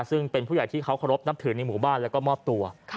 ซึ่งเป็นผู้ใหญ่ที่เขาเคารพนับถือในหมู่บ้านแล้วก็มอบตัว